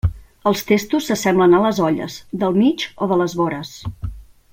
Els testos s'assemblen a les olles, del mig o de les vores.